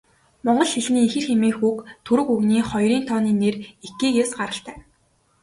Монгол хэлний ихэр хэмээх үг түрэг хэлний хоёрын тооны нэр 'ики'-ээс гаралтай.